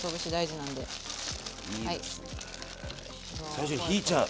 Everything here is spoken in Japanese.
最初ひいちゃう。